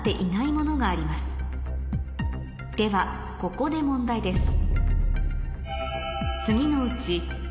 ここで問題です